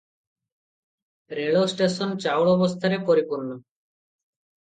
ରେଳ ଷ୍ଟେସନ ଚାଉଳବସ୍ତାରେ ପରିପୂର୍ଣ୍ଣ ।